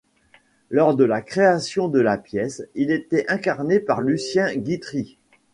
Lors de la création de la pièce, il était incarné par Lucien Guitry.